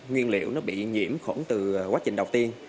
nguyên liệu nó bị nhiễm khuẩn từ quá trình đầu tiên